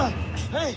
はい！